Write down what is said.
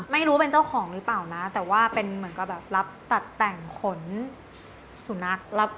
ไม่รู้เป็นเจ้าของหรือเปล่านะแต่ว่าเป็นเหมือนกับแบบรับตัดแต่งขนสุนัข